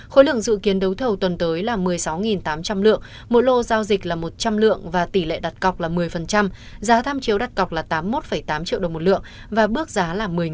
khối lượng dự kiến đấu thầu tuần tới là một mươi sáu tám trăm linh lượng mỗi lô giao dịch là một trăm linh lượng và tỷ lệ đặt cọc là một mươi giá tham chiếu đặt cọc là tám mươi một tám triệu đồng một lượng và bước giá là một mươi năm